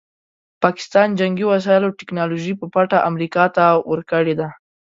پاکستان جنګي وسایلو ټیکنالوژي په پټه امریکا ته ورکړې ده.